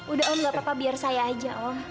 udah om gapapa biar saya aja om